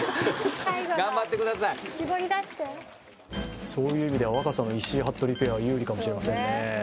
最後のしぼり出してそういう意味では若さの石井・服部ペアは有利かもしれませんね